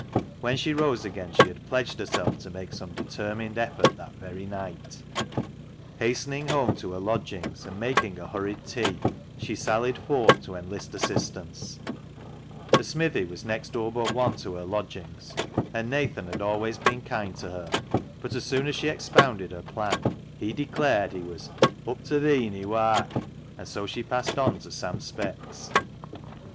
When she rose again she had pledged herself to make some determined effort that very night. Hastening •'BULLET" PIE 205 home to her lodgings and making a hurried tea, she sallied forth to enlist assistance. The smithy was next door but one to her lodgings, and Nathan had always been kind to her, but as soon as she expounded her plan he declared he was " up to th' een i' wark "; and so she passed on to Sam Speck's.